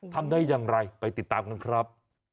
ทำได้อย่างไรไปติดตามกันครับ